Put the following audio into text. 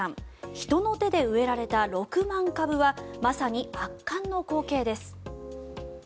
人の手で植えられた６万株はまさに圧巻の光景です。